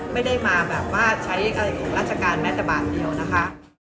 ไม่ได้มาแบบว่าใช้อะไรของราชการแม้แต่บาทเดียวนะคะ